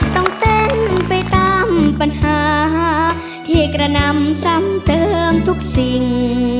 ต้องเต้นไปตามปัญหาที่กระนำซ้ำเติมทุกสิ่ง